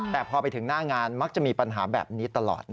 แต่พอไปถึงหน้างานมักจะมีปัญหาแบบนี้ตลอด